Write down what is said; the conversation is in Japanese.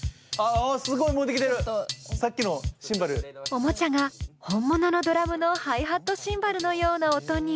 おもちゃが本物のドラムのハイハットシンバルのような音に！